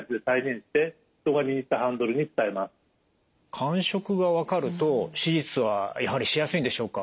感触が分かると手術はやはりしやすいんでしょうか？